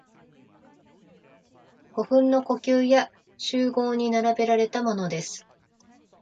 古墳の墳丘や周濠に並べられたものです。